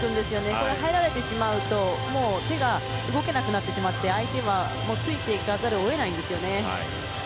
これ、入られてしまうともう手が動けなくなってしまって相手はついていかざるを得ないんですよね。